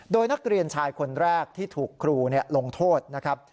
โดยนักเรียนชายคนแรกที่ถูกครูลงโทษนะครับ